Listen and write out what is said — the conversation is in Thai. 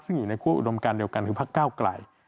ซึ่งอยู่ในคั่วอุดมการเดียวกันคือพักเก้าไกล